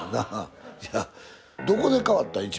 どこで変わった？